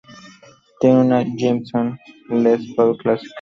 Tiene una Gibson Les Paul clásica.